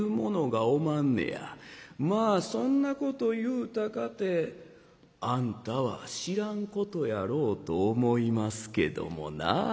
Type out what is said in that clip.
まあそんなこと言うたかてあんたは知らんことやろうと思いますけどもなあ。